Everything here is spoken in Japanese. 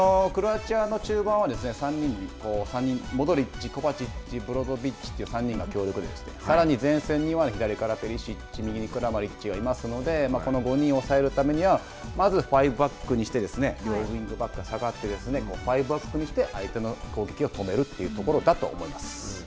クロアチアの中盤は、３人、モドリッチ、コバチッチ、ブロゾビッチという３人が強力でして、さらに前線には左からペリシッチ、右ににクラマリッチがいますので、この５人を抑えるためには、まずファイブバックにして、ウイングバックが下がって、ファイブバックにして、相手の攻撃を止めるというところだと思います。